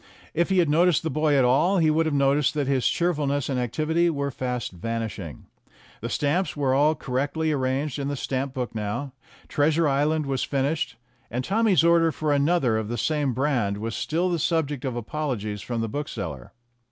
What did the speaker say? If he had noticed the boy at all, he would have noticed that his cheerfulness and activity were fast vanishing. The 106 STORIES WITHOUT TEARS stamps were all correctly arranged in the stamp book now, "Treasure Island" was finished, and Tommy's order for another of the same brand was still the sub ject of apologies from the bookseller.